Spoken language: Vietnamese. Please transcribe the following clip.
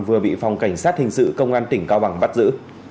vừa bị phòng cảnh sát hình sự công an tỉnh cao bằng bắt giữ